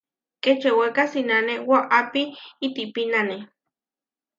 Kečeweka sinane waʼapí itihpínane.